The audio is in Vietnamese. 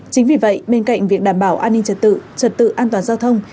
chính vì vậy bên cạnh việc đảm bảo an ninh trật tự trật tự an toàn giao thông